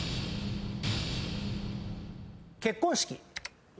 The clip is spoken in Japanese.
結婚式。